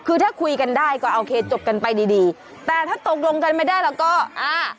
คือถ้าคุยกันได้ก็โอเคจบกันไปดีดีแต่ถ้าตกลงกันไม่ได้เราก็อ่า